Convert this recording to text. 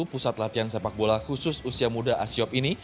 pusat latihan sepak bola khusus usia muda asiop ini